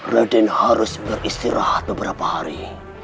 raden harus beristirahat beberapa hari